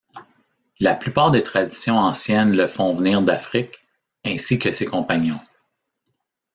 La plupart des traditions anciennes le font venir d'Afrique, ainsi que ses compagnons.